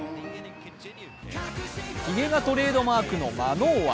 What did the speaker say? ひげがトレードマークのマノーア。